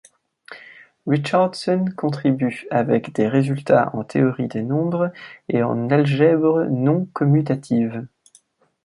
Richardson contribue avec des résultats en théorie des nombres et en algèbre non commutative.